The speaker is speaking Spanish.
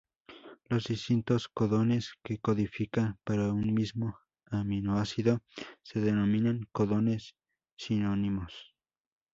Los distintos codones que codifican para un mismo aminoácido se denominan codones sinónimos.